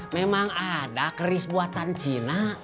memang ada keris buatan cina